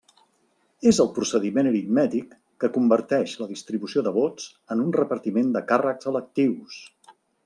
És el procediment aritmètic que converteix la distribució de vots en un repartiment de càrrecs electius.